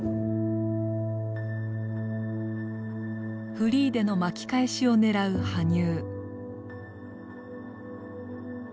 フリーでの巻き返しを狙う羽生。